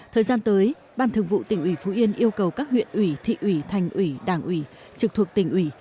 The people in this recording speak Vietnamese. thời gian tới ban thường vụ tỉnh ủy phú yên yêu cầu các huyện ủy thị ủy thành ủy đảng ủy trực thuộc tỉnh ủy